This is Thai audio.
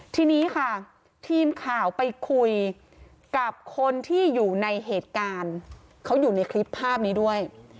ทีนี้ค่ะทีมข่าวไปคุยกับคนที่อยู่ในเหตุการณ์เขาอยู่ในคลิปภาพนี้ด้วย